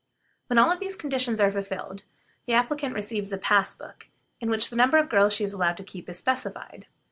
When all these conditions are fulfilled, the applicant receives a pass book, in which the number of girls she is allowed to keep is specified.